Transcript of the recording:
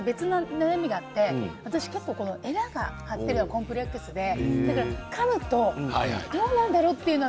私は別の悩みがあってえらが張っているのがコンプレックスでかむとどうなんだろうと。